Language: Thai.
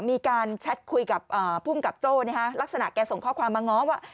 มีการแชทคุยกับภูมิกับโจ้ลักษณะแกส่งข้อความมาง้อว่า